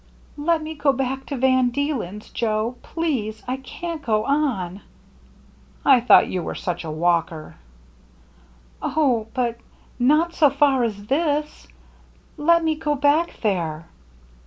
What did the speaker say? Let me go back to Van Deelen's, Joe — please ! I can't go on." " I thought you was such a walker." " Oh, but — not so far as this. Let me go back there."